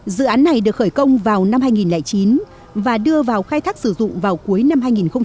dự án này được khởi công vào năm hai nghìn chín và đưa vào khai thác sử dụng vào cuối năm hai nghìn một mươi